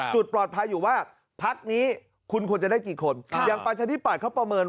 จุดปลอดภัยอยู่ว่าพักนี้คุณควรจะได้กี่คน